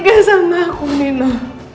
kamu tegas sama aku nino